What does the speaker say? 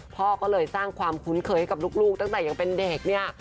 พ่อก็เลยสร้างความคุ้นเคยให้กับลูกตั้งแต่ยังเป็นเด็กเนี่ย